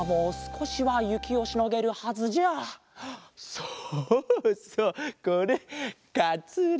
そうそうこれかつら！